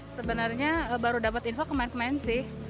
sebenarnya baru dapat info kemen pemain sih